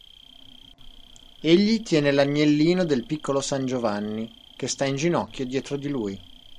Egli tiene l'agnellino del piccolo san Giovanni, che sta in ginocchio dietro di lui.